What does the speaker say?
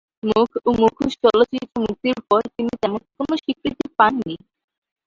মুখ ও মুখোশ চলচ্চিত্র মুক্তির পর তিনি তেমন কোন স্বীকৃতি পাননি।